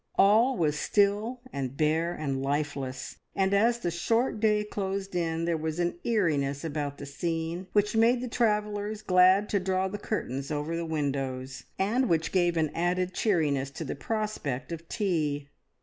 All was still and bare and lifeless, and as the short day closed in there was an eeriness about the scene which made the travellers glad to draw the curtains over the windows, and which gave an added cheeriness to the prospect of tea.